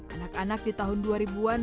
anak anak di tahun dua ribu an